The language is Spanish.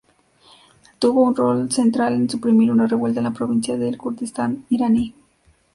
Tuvo un rol central en suprimir una revuelta en la provincial del Kurdistán iraní.